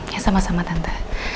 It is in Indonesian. ya sama sama tante